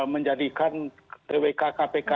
menjadikan twk kpk